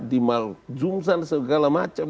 dimakzumkan segala macam